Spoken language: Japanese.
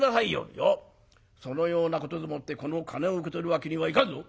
「いやそのようなことでもってこの金を受け取るわけにはいかんぞ！